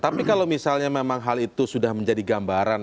tapi kalau misalnya memang hal itu sudah menjadi gambaran